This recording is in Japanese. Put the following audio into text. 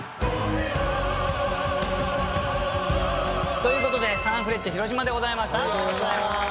ということでサンフレッチェ広島でございました。